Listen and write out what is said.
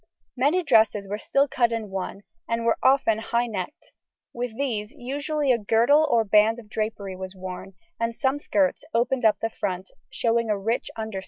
Many dresses were still cut in one, and were often high necked; with these usually a girdle or band of drapery was worn, and some skirts opened up the front, showing a rich underskirt.